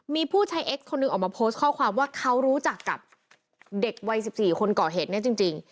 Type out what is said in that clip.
มีผู้ใช้เอ็กซคนหนึ่งออกมาโพสต์ข้อความว่าเขารู้จักกับเด็กวัย๑๔คนก่อเหตุนี้จริง